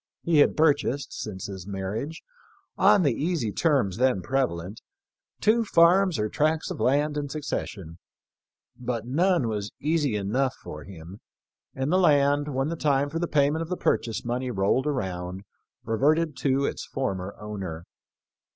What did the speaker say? He had purchased, since his marriage, on the easy terms then prevalent, two farms or tracts of land in succession ; but none was easy enough for him, and the land, when the time for the payment of the purchase money rolled around, reverted to its former owner.